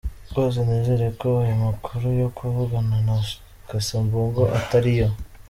Rwose nizere ko ayo makuru yo kuvugana na Casambugo atariyo.